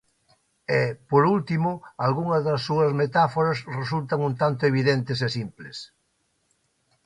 E, por último, algunhas das súas metáforas resultan un tanto evidentes e simples.